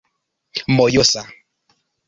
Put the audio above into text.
mojosa